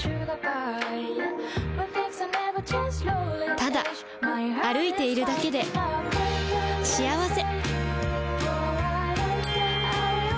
ただ歩いているだけで幸せ